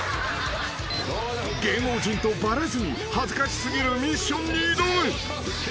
［芸能人とバレずに恥ずかし過ぎるミッションに挑む］